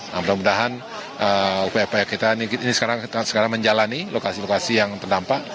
nah mudah mudahan upaya upaya kita ini sekarang menjalani lokasi lokasi yang terdampak